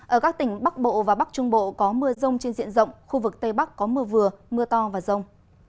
ở các tỉnh bắc bộ và bắc trung bộ có mưa rông trên diện rộng khu vực tây bắc có mưa vừa mưa to và rông